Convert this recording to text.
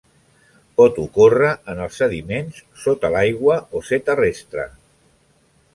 Pot ocórrer en els sediments sota l'aigua o ser terrestre.